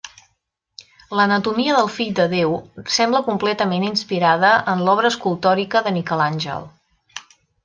L'anatomia del Fill de Déu sembla completament inspirada en l'obra escultòrica de Miquel Àngel.